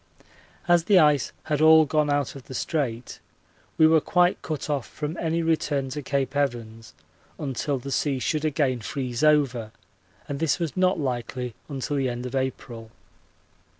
As the ice had all gone out of the Strait we were quite cut off from any return to Cape Evans until the sea should again freeze over, and this was not likely until the end of April.